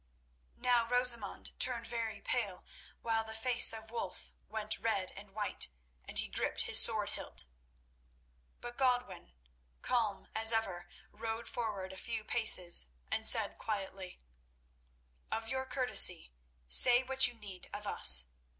Now Rosamund turned very pale, while the face of Wulf went red and white, and he gripped his sword hilt. But Godwin, calm as ever, rode forward a few paces, and said quietly: "Of your courtesy, say what you need of us.